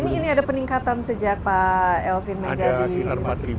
ini ada peningkatan sejak pak elvin menjadi